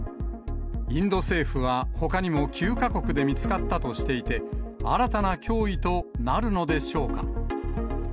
インド政府はほかにも９か国で見つかったとしていて、新たな脅威となるのでしょうか。